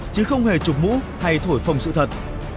chứ không hề trục mũ hay thổi phồng sự thật